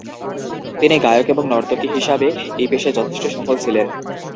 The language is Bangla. তিনি গায়ক এবং নর্তকী হিসাবে এই পেশায় যথেষ্ট সফল ছিলেন।